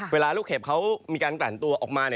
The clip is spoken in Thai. เวลาลูกเห็บเขามีการกลั่นตัวออกมา